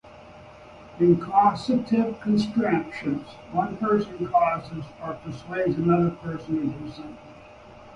In causative constructions, one person causes or persuades another person to do something.